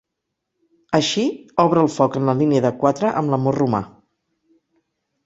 Així, obre el foc en la línia de quatre amb l'amor romà.